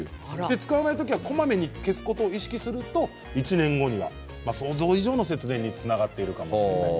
使わない時はこまめに消すことを意識すると１年後には想像以上の節電につながっていくかもしれません。